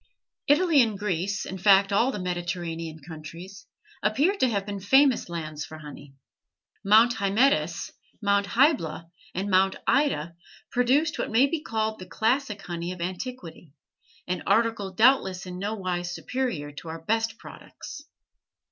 Italy and Greece, in fact all the Mediterranean countries, appear to have been famous lands for honey. Mount Hymettus, Mount Hybla, and Mount Ida produced what may be called the classic honey of antiquity, an article doubtless in nowise superior to our best products.